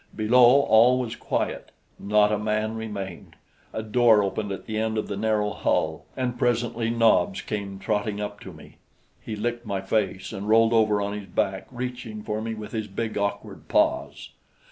Below all was quiet not a man remained. A door opened at the end of the narrow hull, and presently Nobs came trotting up to me. He licked my face and rolled over on his back, reaching for me with his big, awkward paws.